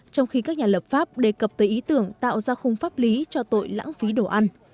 trong khi các nhà lập pháp đề cập tới ý tưởng tạo ra khung pháp lý cho tội lãng phí đồ ăn